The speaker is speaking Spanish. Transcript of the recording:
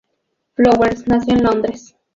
Flowers nació en Londres.